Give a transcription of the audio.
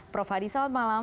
prof hadi selamat malam